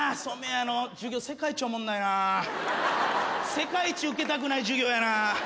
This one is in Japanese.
世界一受けたくない授業やな。